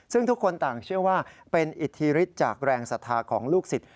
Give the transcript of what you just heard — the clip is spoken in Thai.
ซึ่งทุกคนต่างเชื่อว่าเป็นอิทธิฤทธิ์จากแรงศรัทธาของลูกศิษย